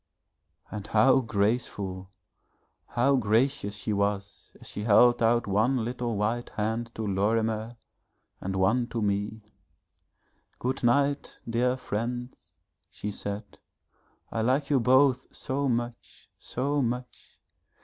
And how graceful, how gracious she was as she held out one little white hand to Lorimer and one to me. 'Good night, dear friends,' she said, 'I like you both so much so much.